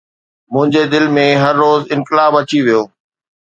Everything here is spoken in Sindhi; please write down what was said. منهنجي دل ۾ هر روز انقلاب اچي ويو